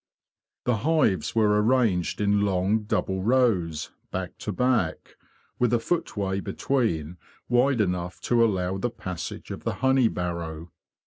The hives were arranged in long double rows, back to back, with a footway between wide enough to allow the passage of the honey barrow.